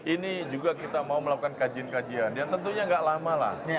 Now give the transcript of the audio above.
ini juga kita mau melakukan kajian kajian yang tentunya nggak lama lah